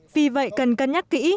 vì vậy cần cân nhắc kỹ